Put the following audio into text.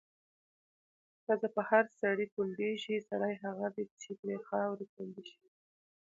ښځه په هر سړي کونډيږي، سړی هغه دی چې پرې خاوره کونډه شينه